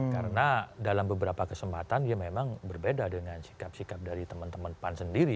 karena dalam beberapa kesempatan dia memang berbeda dengan sikap sikap dari teman teman pan sendiri